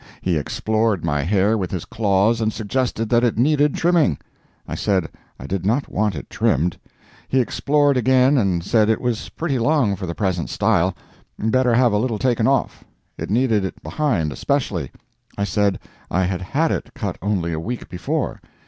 He explored my hair with his claws and suggested that it needed trimming. I said I did not want it trimmed. He explored again and said it was pretty long for the present style—better have a little taken off; it needed it behind, especially. I said I had had it cut only a week before.